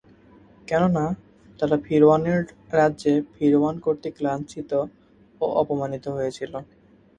কেননা, তারা ফিরআউনের রাজ্যে ফিরআউন কর্তৃক লাঞ্ছিত ও অপমানিত হয়েছিল।